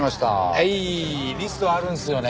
はいリストあるんですよね。